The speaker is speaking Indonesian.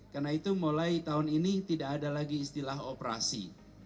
karena itu mulai tahun ini tidak ada lagi istilah operasi